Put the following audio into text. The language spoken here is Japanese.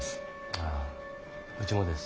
あぁうちもです。